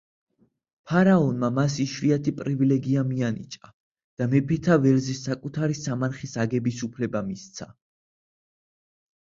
ფარაონმა მას იშვიათი პრივილეგია მიანიჭა და მეფეთა ველზე საკუთარი სამარხის აგების უფლება მისცა.